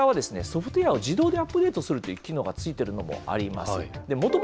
最近のルーターは、ソフトウエアを自動でアップデートするという機能がついているのもあります。